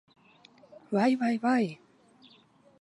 Vai, vai, vai!